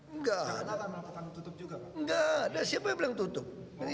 enggak enggak ada siapa yang bilang tutup